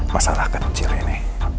masalah kecil ini